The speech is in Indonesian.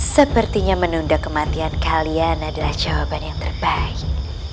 sepertinya menunda kematian kalian adalah jawaban yang terbaik